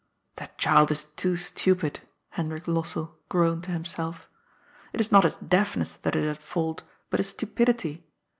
^^ The child is too stupid," Hendrik Lossell groaned to himself. ^^ It is not his deafness that is at fault, but his stupidity.